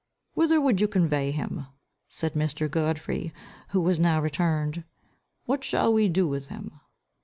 "Whither would you convey him?" said Mr. Godfrey, who was now returned. "What shall we do with him?"